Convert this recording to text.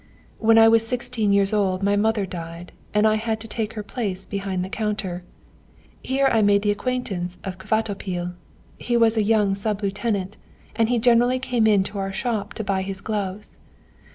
When I was sixteen years old my mother died, and I had to take her place behind the counter. Here I made the acquaintance of Kvatopil. He was a young sub lieutenant, and he generally came to our shop to buy his gloves.